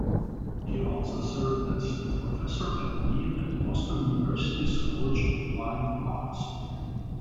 He also served as professor and dean at Boston University's College of Fine Arts.